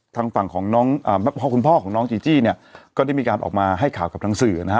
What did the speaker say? ทางฝั่งของน้องคุณพ่อของน้องจีจี้เนี่ยก็ได้มีการออกมาให้ข่าวกับทางสื่อนะฮะ